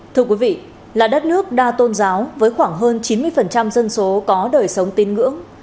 thưa quý vị là đất nước đa tôn giáo với khoảng hơn chín mươi dân số có đời sống tín ngưỡng